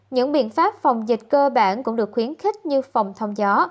những biện pháp phòng dịch cơ bản cũng được khuyến khích như phòng thông gió